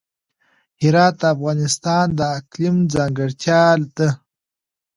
هرات د افغانستان د اقلیم ځانګړتیا ده.